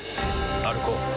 歩こう。